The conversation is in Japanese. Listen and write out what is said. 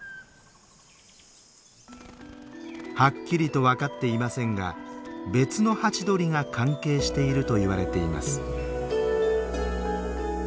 はっきりと分かっていませんが別のハチドリが関係しているといわれています。